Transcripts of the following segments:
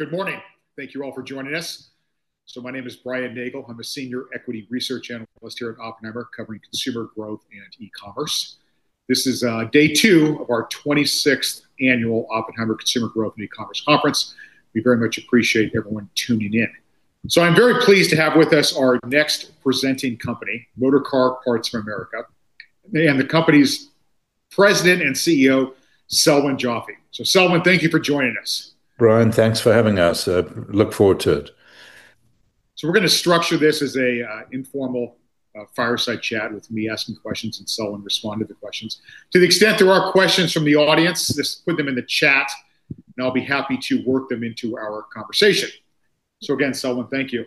Well, good morning. Thank you all for joining us. My name is Brian Nagel. I'm a Senior Equity Research Analyst here at Oppenheimer, covering consumer growth and e-commerce. This is day two of our 26th Annual Oppenheimer Consumer Growth and E-commerce Conference. We very much appreciate everyone tuning in. I'm very pleased to have with us our next presenting company, Motorcar Parts of America, and the company's President and CEO, Selwyn Joffe. Selwyn, thank you for joining us. Brian, thanks for having us. Look forward to it. We're going to structure this as an informal Fireside Chat with me asking questions and Selwyn respond to the questions. To the extent there are questions from the audience, just put them in the chat, and I'll be happy to work them into our conversation. Again, Selwyn, thank you.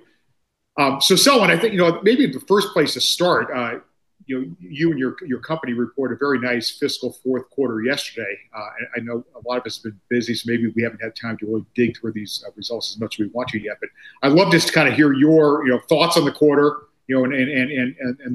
Selwyn, I think maybe the first place to start, you and your company reported a very nice fiscal fourth quarter yesterday. I know a lot of us have been busy, so maybe we haven't had time to really dig through these results as much as we want to yet. I'd love just to kind of hear your thoughts on the quarter and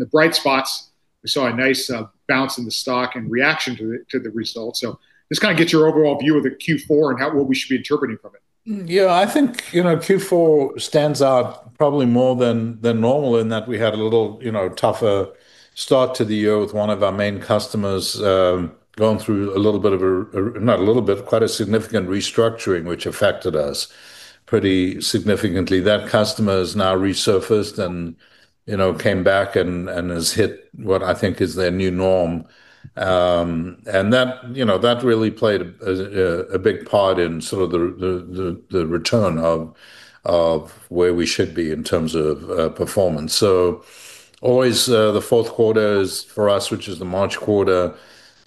the bright spots. We saw a nice bounce in the stock and reaction to the results. Just kind of get your overall view of the Q4 and what we should be interpreting from it. Yeah, I think Q4 stands out probably more than normal in that we had a little tougher start to the year with one of our main customers going through a little bit of a, not a little bit, quite a significant restructuring, which affected us pretty significantly. That customer's now resurfaced and came back and has hit what I think is their new norm. That really played a big part in sort of the return of where we should be in terms of performance. Always the fourth quarter is, for us, which is the March quarter,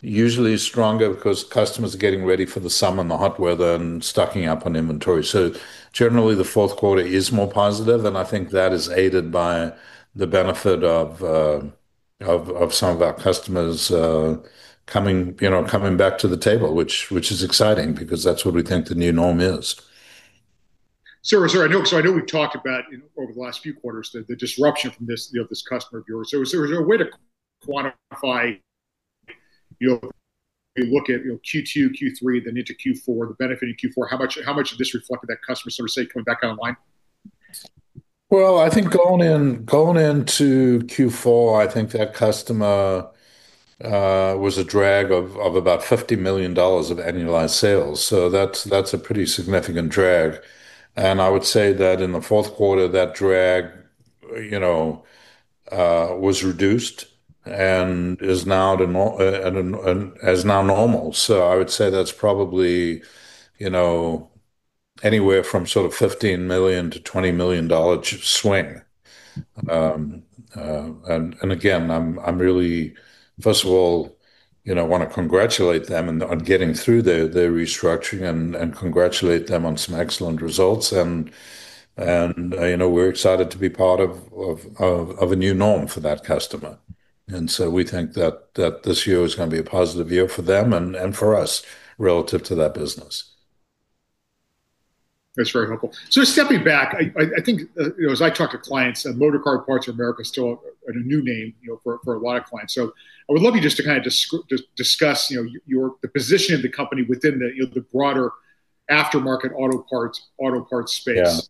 usually stronger because customers are getting ready for the summer and the hot weather and stocking up on inventory. Generally, the fourth quarter is more positive, and I think that is aided by the benefit of some of our customers coming back to the table, which is exciting because that's what we think the new norm is. I know we've talked about over the last few quarters, the disruption from this customer of yours. Is there a way to quantify, you look at Q2, Q3, then into Q4, the benefit of Q4, how much of this reflected that customer sort of, say, coming back online? Well, I think going into Q4, I think that customer was a drag of about $50 million of annualized sales. That's a pretty significant drag. I would say that in the fourth quarter, that drag was reduced and is now normal. I would say that's probably anywhere from sort of $15 million-$20 million swing. Again, I really, first of all, want to congratulate them on getting through their restructuring and congratulate them on some excellent results. We're excited to be part of a new norm for that customer. We think that this year is going to be a positive year for them and for us relative to that business. That's very helpful. Stepping back, I think as I talk to clients, Motorcar Parts of America is still a new name for a lot of clients. I would love you just to kind of discuss the position of the company within the broader aftermarket auto parts space.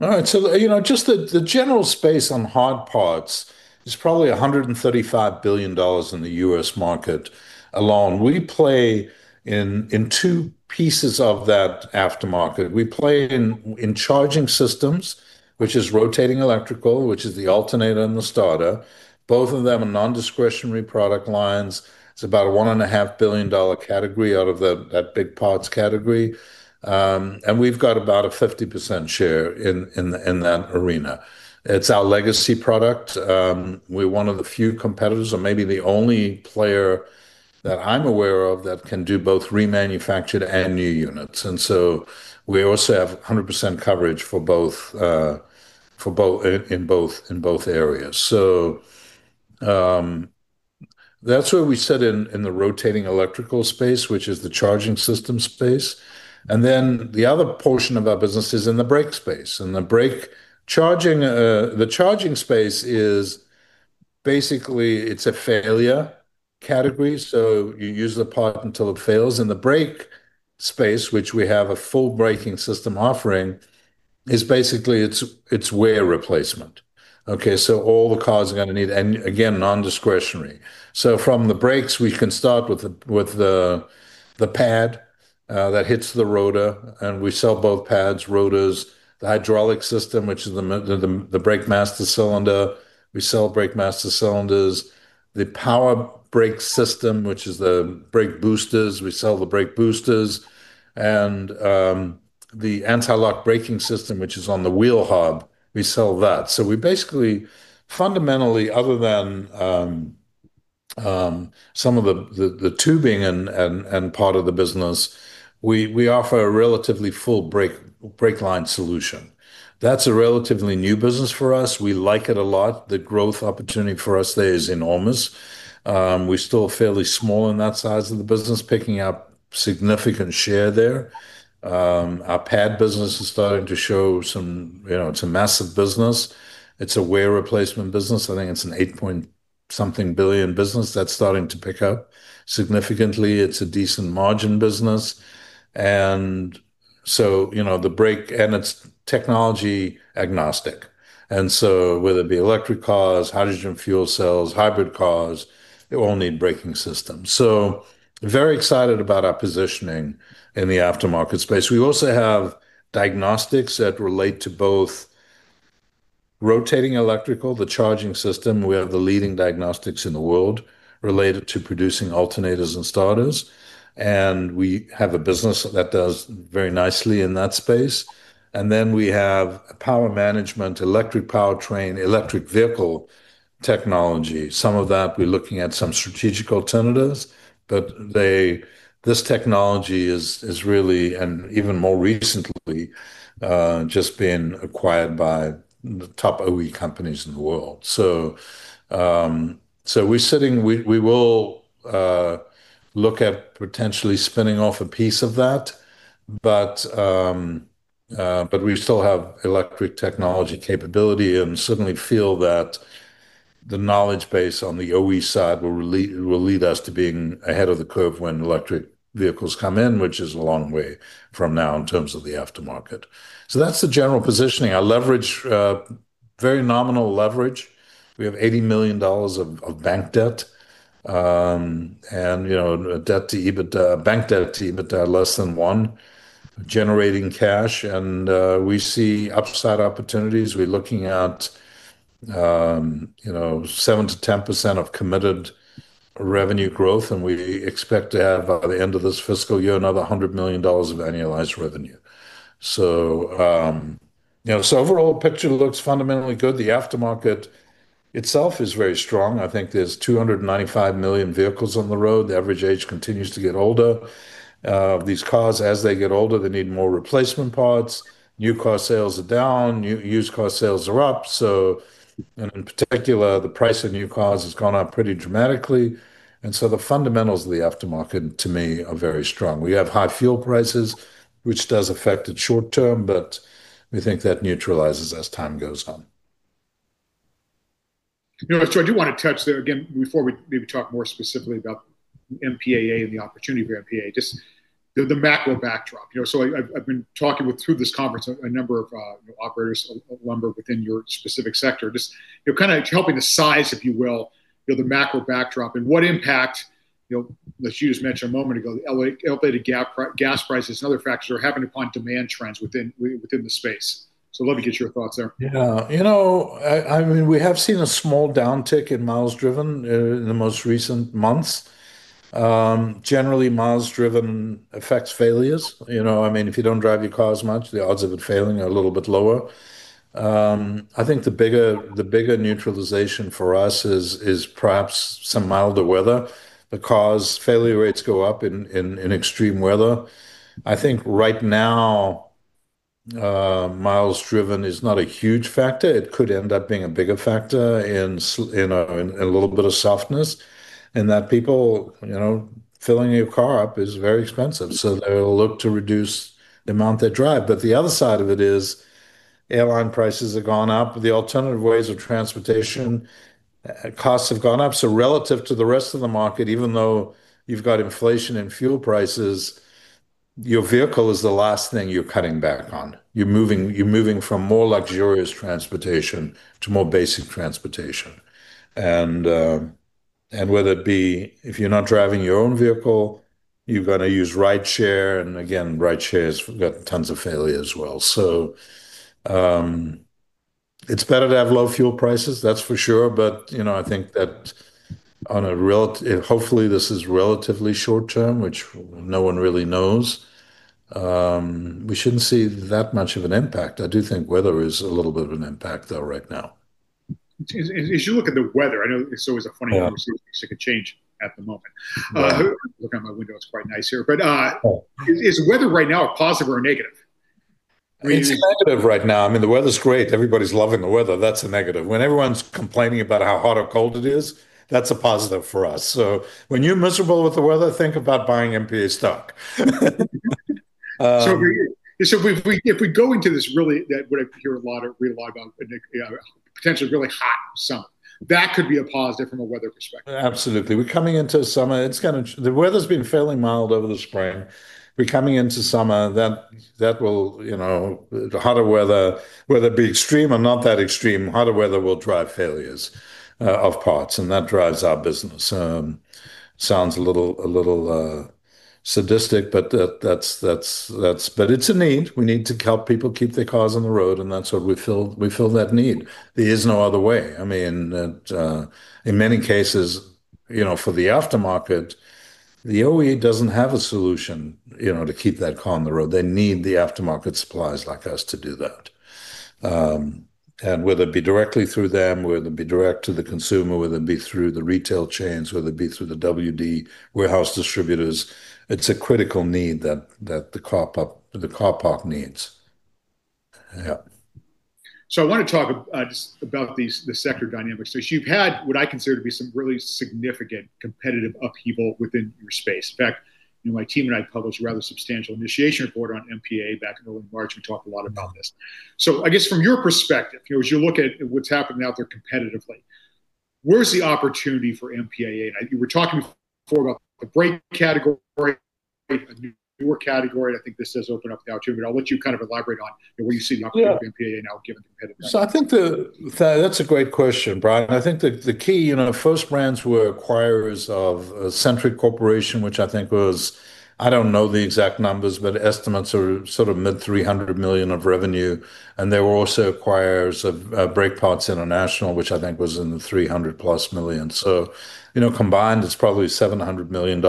Yeah. All right. Just the general space on hard parts is probably $135 billion in the U.S. market alone. We play in two pieces of that aftermarket. We play in charging systems, which is rotating electrical, which is the alternator and the starter. Both of them are non-discretionary product lines. It's about a $1.5 billion category out of that big parts category. We've got about a 50% share in that arena. It's our legacy product. We're one of the few competitors, or maybe the only player that I'm aware of, that can do both remanufactured and new units. We also have 100% coverage in both areas. That's where we sit in the rotating electrical space, which is the charging system space. The other portion of our business is in the brake space. The charging space is basically, it's a failure category. You use the part until it fails. The brake space, which we have a full braking system offering, is basically it's wear replacement. Okay, all the cars are going to need, and again, non-discretionary. From the brakes, we can start with the pad that hits the rotor, and we sell both pads, rotors. The hydraulic system, which is the brake master cylinder, we sell brake master cylinders. The power brake system, which is the brake boosters, we sell the brake boosters. The anti-lock braking system, which is on the wheel hub, we sell that. We basically, fundamentally, other than some of the tubing and part of the business, we offer a relatively full brake line solution. That's a relatively new business for us. We like it a lot. The growth opportunity for us there is enormous. We're still fairly small in that size of the business, picking up significant share there. Our pad business is starting to show some-- it's a massive business. It's a wear replacement business. I think it's an $8 point-Something billion business that's starting to pick up significantly. It's a decent margin business, and it's technology agnostic. Whether it be electric cars, hydrogen fuel cells, hybrid cars, they all need braking systems. Very excited about our positioning in the aftermarket space. We also have diagnostics that relate to both rotating electrical, the charging system. We have the leading diagnostics in the world related to producing alternators and starters, we have a business that does very nicely in that space. Then we have power management, electric powertrain, electric vehicle technology. Some of that, we're looking at some strategic alternatives, this technology is really, and even more recently, just been acquired by the top OE companies in the world. We will look at potentially spinning off a piece of that. We still have electric technology capability and certainly feel that the knowledge base on the OE side will lead us to being ahead of the curve when electric vehicles come in, which is a long way from now in terms of the aftermarket. That's the general positioning. Our leverage, very nominal leverage. We have $80 million of bank debt. A bank debt to EBITDA of less than one, generating cash. We see upside opportunities. We're looking at 7%-10% of committed revenue growth, we expect to have, by the end of this fiscal year, another $100 million of annualized revenue. Overall picture looks fundamentally good. The aftermarket itself is very strong. I think there's 295 million vehicles on the road. The average age continues to get older. These cars, as they get older, they need more replacement parts. New car sales are down, used car sales are up, in particular, the price of new cars has gone up pretty dramatically, the fundamentals of the aftermarket to me are very strong. We have high fuel prices, which does affect it short term, we think that neutralizes as time goes on. I do want to touch there again, before we maybe talk more specifically about MPAA and the opportunity for MPAA, just the macro backdrop. I've been talking through this conference a number of operators of lumber within your specific sector. Just kind of helping to size, if you will, the macro backdrop and what impact, as you just mentioned a moment ago, the elevated gas prices and other factors are having upon demand trends within the space. Let me get your thoughts there. Yeah. We have seen a small downtick in miles driven in the most recent months. Generally, miles driven affects failures. If you don't drive your car as much, the odds of it failing are a little bit lower. I think the bigger neutralization for us is perhaps some milder weather, because failure rates go up in extreme weather. I think right now, miles driven is not a huge factor. It could end up being a bigger factor in a little bit of softness, in that people filling your car up is very expensive, they'll look to reduce the amount they drive. The other side of it is airline prices have gone up, the alternative ways of transportation costs have gone up. Relative to the rest of the market, even though you've got inflation in fuel prices, your vehicle is the last thing you're cutting back on. You're moving from more luxurious transportation to more basic transportation. Whether it be if you're not driving your own vehicle, you're going to use rideshare. Again, rideshare's got tons of failure as well. It's better to have low fuel prices, that's for sure. I think that hopefully this is relatively short-term, which no one really knows. We shouldn't see that much of an impact. I do think weather is a little bit of an impact though right now. As you look at the weather, I know it's always a funny one. Yeah. It could change at the moment. Yeah. Looking out my window, it's quite nice here. Oh. Is weather right now a positive or a negative? I mean. It's a negative right now. The weather's great. Everybody's loving the weather. That's a negative. When everyone's complaining about how hot or cold it is, that's a positive for us. When you're miserable with the weather, think about buying MPA stock. If we go into this really, what I hear a lot of. I want to talk just about the sector dynamics. You've had what I consider to be some really significant competitive upheaval within your space. In fact, my team and I published a rather substantial initiation report on MPA back in early March. We talked a lot about this. I guess from your perspective, as you look at what's happened out there competitively. Where's the opportunity for MPAA? You were talking before about a brake category, a newer category. I think this does open up the opportunity. I'll let you elaborate on where you see the opportunity- Yeah.... for MPAA now given the competitive landscape. I think that's a great question, Brian. I think the key, First Brands were acquirers of Centric Corporation, which I think was, I don't know the exact numbers, but estimates are mid $300 million of revenue. And they were also acquirers of Brake Parts International, which I think was in the $300+ million. Combined, it's probably $700 million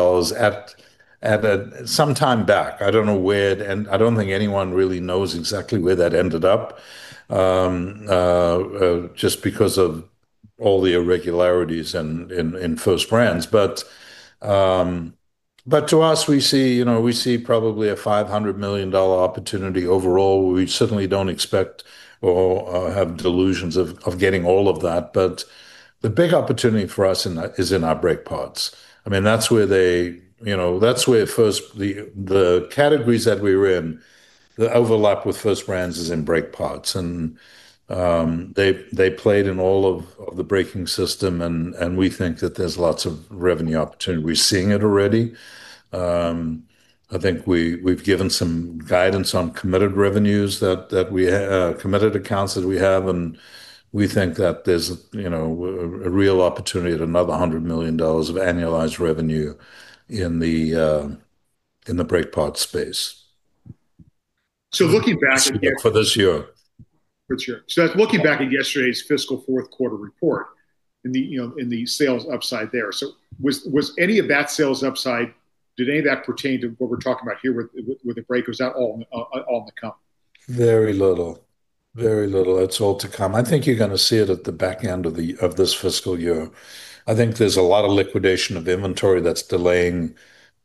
at sometime back. I don't know where, and I don't think anyone really knows exactly where that ended up, just because of all the irregularities in First Brands. To us, we see probably a $500 million opportunity overall. We certainly don't expect or have delusions of getting all of that. The big opportunity for us is in our brake parts. The categories that we're in that overlap with First Brands is in brake parts, and they played in all of the braking system, and we think that there's lots of revenue opportunity. We're seeing it already. I think we've given some guidance on committed revenues, committed accounts that we have, and we think that there's a real opportunity at another $100 million of annualized revenue in the brake parts space. Looking back- For this year. For this year. Looking back at yesterday's fiscal fourth quarter report, in the sales upside there, so was any of that sales upside, did any of that pertain to what we're talking about here with the brake, or is that all on the come? Very little. It's all to come. I think you're going to see it at the back end of this fiscal year. I think there's a lot of liquidation of inventory that's delaying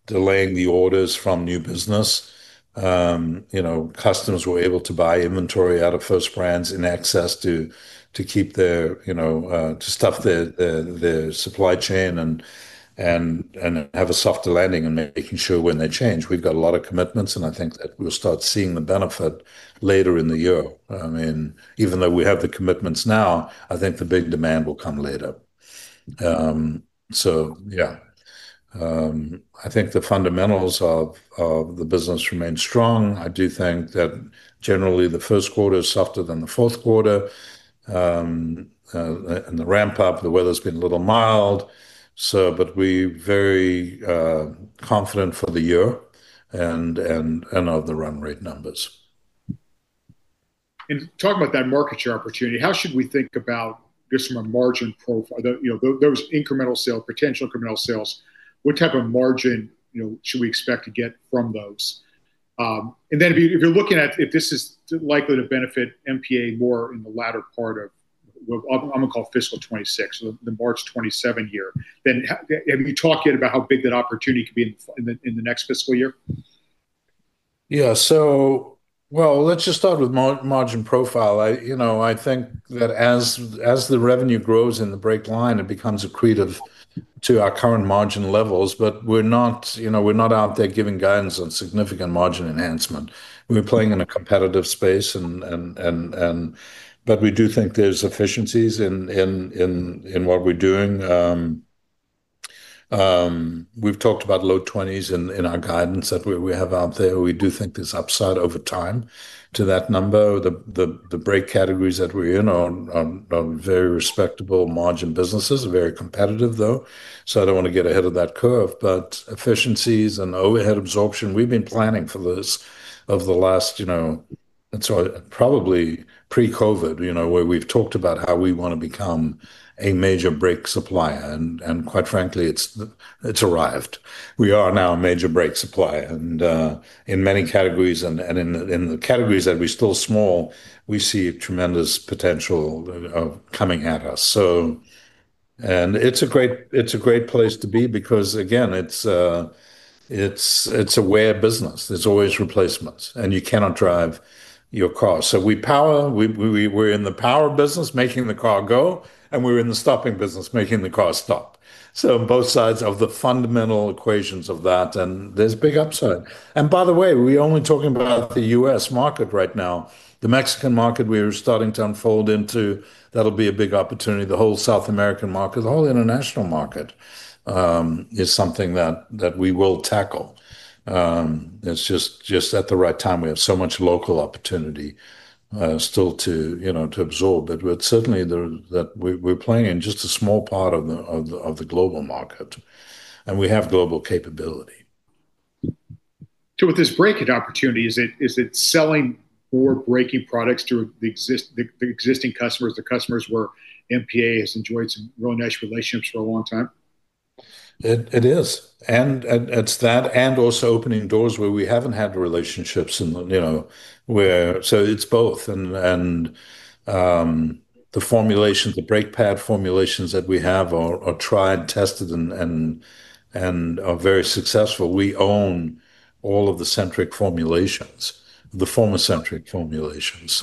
the orders from new business. Customers were able to buy inventory out of First Brands Group in excess to stock their supply chain and have a softer landing in making sure when they change. We've got a lot of commitments, and I think that we'll start seeing the benefit later in the year. Even though we have the commitments now, I think the big demand will come later. Yeah. I think the fundamentals of the business remain strong. I do think that generally the first quarter is softer than the fourth quarter. In the ramp-up, the weather's been a little mild. We're very confident for the year and of the run rate numbers. In talking about that market share opportunity, how should we think about this from a margin profile? Those incremental sales, potential incremental sales, what type of margin should we expect to get from those? If you're looking at if this is likely to benefit MPA more in the latter part of what I'm going to call fiscal 2026, so the March 2027 year, have you talked yet about how big that opportunity could be in the next fiscal year? Let's just start with margin profile. I think that as the revenue grows in the brake line, it becomes accretive to our current margin levels. We're not out there giving guidance on significant margin enhancement. We're playing in a competitive space. We do think there's efficiencies in what we're doing. We've talked about low 20s in our guidance that we have out there. We do think there's upside over time to that number. The brake categories that we're in are very respectable margin businesses. Very competitive, though, so I don't want to get ahead of that curve. Efficiencies and overhead absorption, we've been planning for this over the last probably pre-COVID, where we've talked about how we want to become a major brake supplier. Quite frankly, it's arrived. We are now a major brake supplier. In many categories, and in the categories that we're still small, we see tremendous potential coming at us. It's a great place to be because, again, it's a wear business. There's always replacements, and you cannot drive your car. We're in the power business, making the car go, and we're in the stopping business, making the car stop. Both sides of the fundamental equations of that, and there's big upside. By the way, we're only talking about the U.S. market right now. The Mexican market we're starting to unfold into, that'll be a big opportunity. The whole South American market, the whole international market is something that we will tackle. It's just at the right time. We have so much local opportunity still to absorb. Certainly, we're playing in just a small part of the global market, and we have global capability. Is it selling more braking products through the existing customers, the customers where MPA has enjoyed some real nice relationships for a long time? It is. It's that and also opening doors where we haven't had relationships. It's both. The brake pad formulations that we have are tried, tested, and are very successful. We own all of the Centric formulations, the former Centric formulations.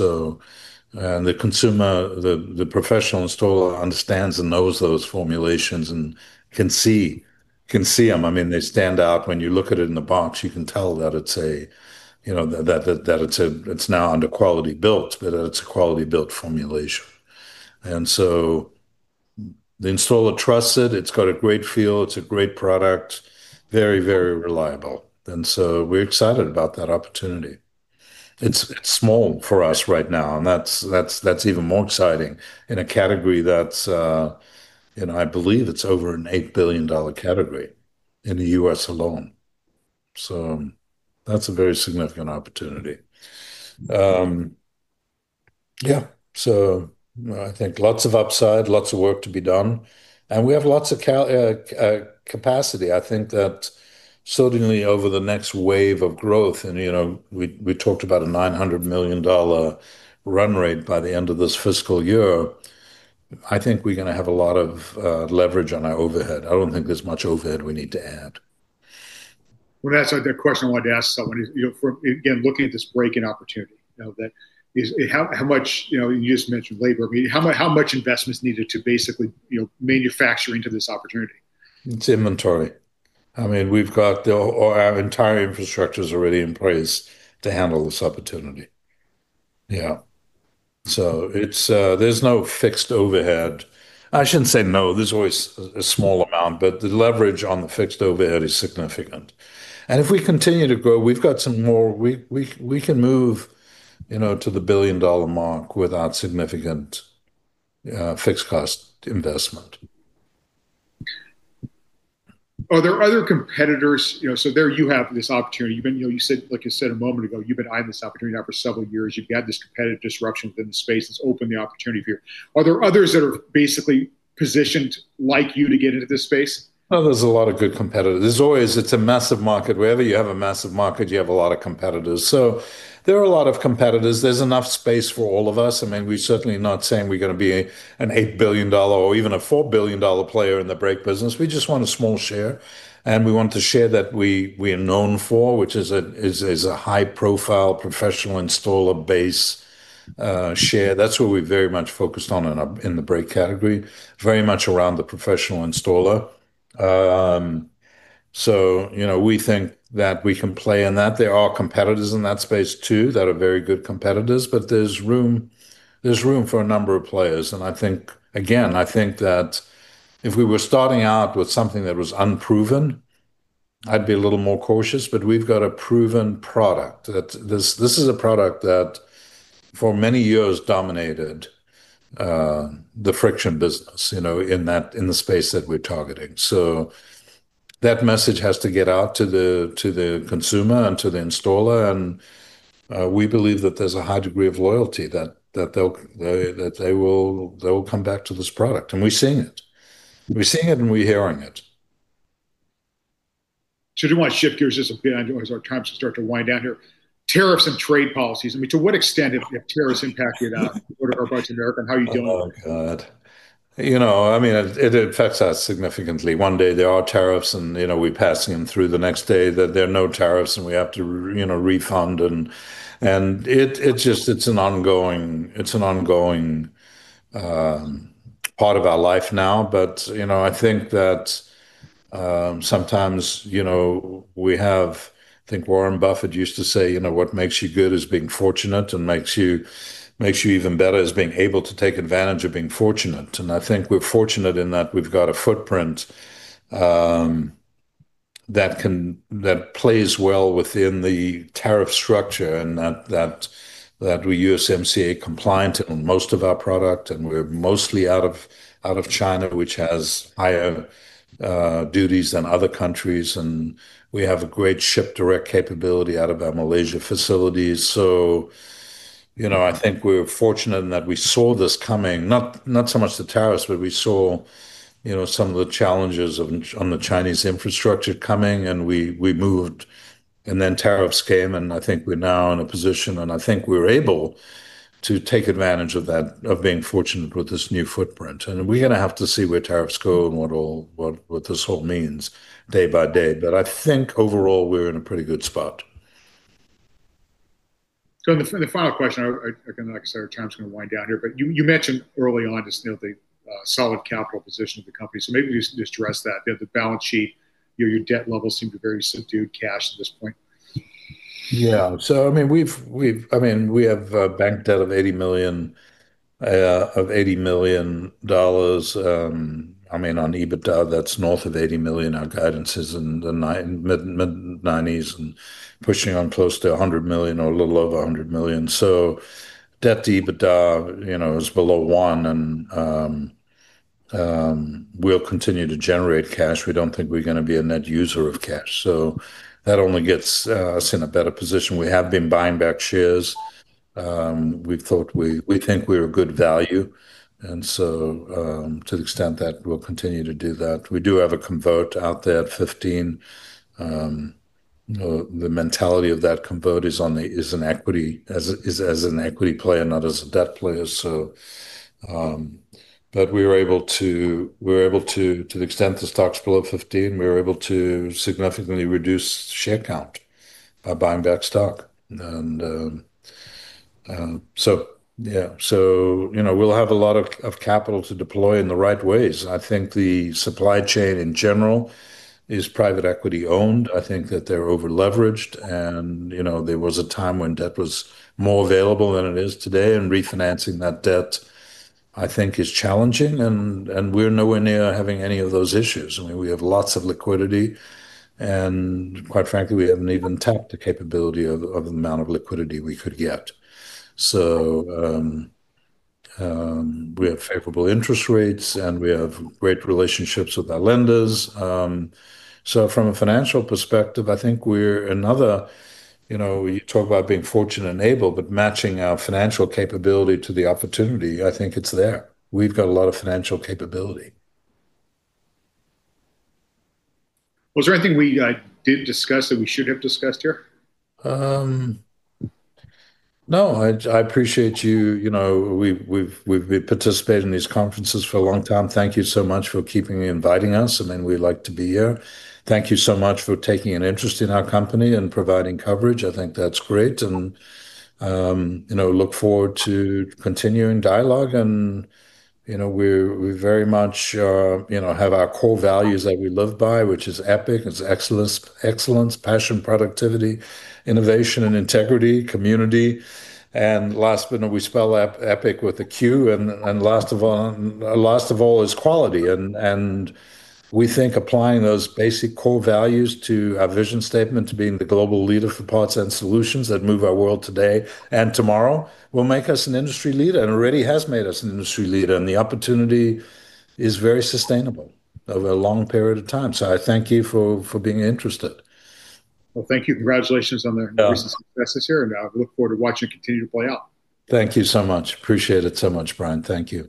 The consumer, the professional installer understands and knows those formulations and can see them. They stand out. When you look at it in the box, you can tell that it's now under Quality-Built, but it's a Quality-Built formulation. The installer trusts it. It's got a great feel. It's a great product. Very, very reliable. We're excited about that opportunity. It's small for us right now, and that's even more exciting in a category that's, I believe it's over an $8 billion category in the U.S. alone. That's a very significant opportunity. Yeah. I think lots of upside, lots of work to be done, and we have lots of capacity. I think that certainly over the next wave of growth, and we talked about a $900 million run rate by the end of this fiscal year. I think we're going to have a lot of leverage on our overhead. I don't think there's much overhead we need to add. Well, that's the question I wanted to ask someone is, again, looking at this braking opportunity, you just mentioned labor, how much investment is needed to basically manufacture into this opportunity? It's inventory. Our entire infrastructure's already in place to handle this opportunity. Yeah. There's no fixed overhead. I shouldn't say no. There's always a small amount, but the leverage on the fixed overhead is significant. If we continue to grow, we've got some more We can move to the billion-dollar mark without significant fixed cost investment. Are there other competitors, there you have this opportunity. Like you said a moment ago, you've been eyeing this opportunity now for several years. You've had this competitive disruption within the space that's opened the opportunity here. Are there others that are basically positioned like you to get into this space? There's a lot of good competitors. It's a massive market. Wherever you have a massive market, you have a lot of competitors. There are a lot of competitors. There's enough space for all of us. We're certainly not saying we're going to be an $8 billion or even a $4 billion player in the brake business. We just want a small share, and we want the share that we are known for, which is a high-profile professional installer base share. That's what we're very much focused on in the brake category, very much around the professional installer. We think that we can play in that. There are competitors in that space too that are very good competitors, but there's room for a number of players. I think, again, I think that if we were starting out with something that was unproven, I'd be a little more cautious. We've got a proven product. This is a product that for many years dominated the friction business, in the space that we're targeting. That message has to get out to the consumer and to the installer, and we believe that there's a high degree of loyalty that they'll come back to this product. We're seeing it. We're seeing it, and we're hearing it. Do you want to shift gears just a bit? I know as our time starts to wind down here. Tariffs and trade policies. To what extent have tariffs impacted Motorcar Parts of America, and how are you dealing with it? Oh, God. It affects us significantly. One day there are tariffs and, we're passing them through. The next day that there are no tariffs and we have to refund and, it's an ongoing part of our life now. I think that, sometimes, we have, I think Warren Buffett used to say, "What makes you good is being fortunate, and makes you even better is being able to take advantage of being fortunate." I think we're fortunate in that we've got a footprint that plays well within the tariff structure, in that we're USMCA compliant on most of our product, and we're mostly out of China, which has higher duties than other countries. We have a great ship direct capability out of our Malaysia facilities. I think we're fortunate in that we saw this coming, not so much the tariffs, but we saw some of the challenges on the Chinese infrastructure coming, and we moved. Then tariffs came, and I think we're now in a position, and I think we're able to take advantage of that, of being fortunate with this new footprint. We're going to have to see where tariffs go and what this all means day by day. I think overall, we're in a pretty good spot. The final question, again, like I said, our time's going to wind down here, but you mentioned early on just the solid capital position of the company. Maybe just address that the balance sheet, your debt levels seem to be very subdued, cash at this point. We have bank debt of $80 million. On EBITDA, that's north of $80 million. Our guidance is in the mid-90s and pushing on close to $100 million or a little over $100 million. Debt to EBITDA is below one, and we'll continue to generate cash. We don't think we're going to be a net user of cash, so that only gets us in a better position. We have been buying back shares. We think we're a good value, and so, to the extent that we'll continue to do that. We do have a convert out there at 15. The mentality of that convert is as an equity play and not as a debt play. But we were able to the extent the stock's below 15, we were able to significantly reduce share count by buying back stock. We'll have a lot of capital to deploy in the right ways. I think the supply chain in general is private equity owned. I think that they're over-leveraged and there was a time when debt was more available than it is today, and refinancing that debt, I think, is challenging and we're nowhere near having any of those issues. We have lots of liquidity, and quite frankly, we haven't even tapped the capability of the amount of liquidity we could get. We have favorable interest rates, and we have great relationships with our lenders. From a financial perspective, I think we talk about being fortunate enabled, but matching our financial capability to the opportunity, I think it's there. We've got a lot of financial capability. Was there anything we didn't discuss that we should have discussed here? No. I appreciate you. We've participated in these conferences for a long time. Thank you so much for keeping inviting us, and we like to be here. Thank you so much for taking an interest in our company and providing coverage. I think that's great, and look forward to continuing dialogue and we very much have our core values that we live by, which is EPIQ. It's excellence, passion, productivity, innovation, and integrity, community, and last but not, we spell EPIQ with a Q, and last of all is quality. We think applying those basic core values to our vision statement to being the global leader for parts and solutions that move our world today and tomorrow will make us an industry leader, and already has made us an industry leader. The opportunity is very sustainable over a long period of time. I thank you for being interested. Well, thank you. Congratulations on the- Yeah.... recent successes here, and I look forward to watching it continue to play out. Thank you so much. Appreciate it so much, Brian. Thank you.